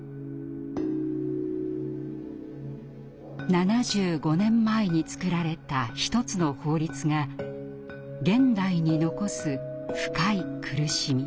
７５年前に作られた一つの法律が現代に残す深い苦しみ。